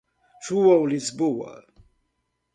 João Lisboa